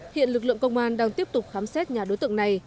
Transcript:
hiện lực lượng công an đang tiếp tục khám xét nhà đối tượng này